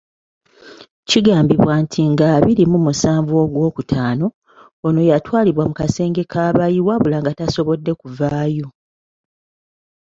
Kigambibwa nti nga abiri mu musanvu Ogw'okutano, ono yatwalibwa mu kasenge k'abayi wabula nga tasobodde kuvaayo.